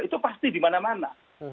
itu pasti dimana mana